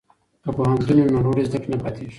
که پوهنتون وي نو لوړې زده کړې نه پاتیږي.